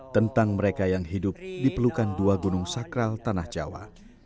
tentang mereka yang hidup diperlukan dua gunung sakral tanah jawa